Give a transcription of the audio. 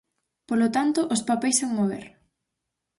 Polo tanto, ¡os papeis sen mover!